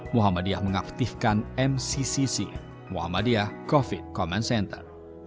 muhammadiyah mengaktifkan mcccc muhammadiyah covid command center